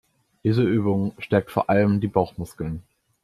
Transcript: Diese Übung stärkt vor allem die Bauchmuskeln.